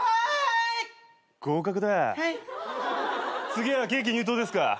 次はケーキ入刀ですか。